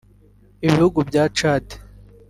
Ibihugu bya Chad